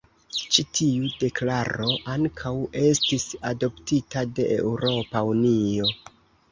Ĉi tiu deklaro ankaŭ estis adoptita de Eŭropa Unio.